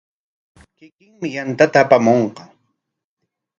Kikinmi yantata apamunqa.